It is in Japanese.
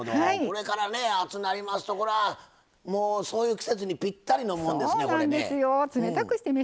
これから暑くなりますとそういう季節にぴったりなものですね。